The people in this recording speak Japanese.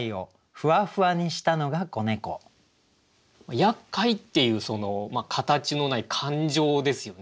「厄介」っていう形のない感情ですよね。